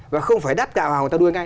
và không phải đắt cả vào người ta nuôi ngay